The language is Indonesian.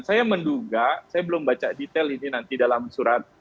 saya menduga saya belum baca detail ini nanti dalam surat